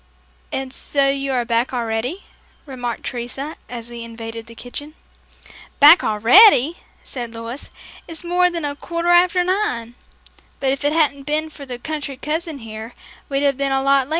"And so you are back already," remarked Teresa as we invaded the kitchen. "Back already!" said Louis. "It's more than a quarter after nine, but if it hadn't been for the country cousin here, we'd have been a whole lot later."